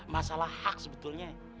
masalah hak sebetulnya